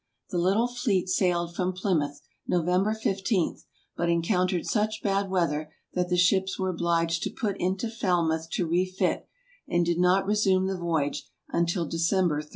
The little fleet sailed from Plymouth, November 15, but encountered such bad weather that the ships were obliged to put into Falmouth to refit, and did not resume the voyage until December 13.